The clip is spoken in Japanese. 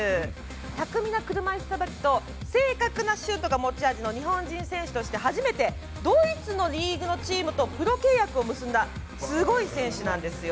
巧みな車いすさばきと正確なシュートが持ち味の日本人選手として初めてドイツのリーグのチームとプロ契約を結んだすごい選手なんですよ。